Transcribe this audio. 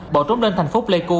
bỏ trốn lên thành phố pleiku